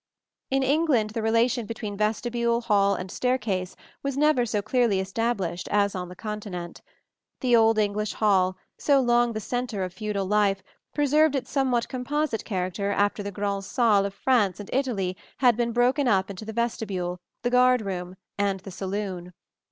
In England the relation between vestibule, hall and staircase was never so clearly established as on the Continent. The old English hall, so long the centre of feudal life, preserved its somewhat composite character after the grand'salle of France and Italy had been broken up into the vestibule, the guard room and the saloon.